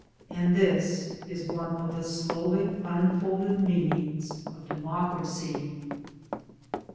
And this is one of the slowly unfolded meanings of Democracy.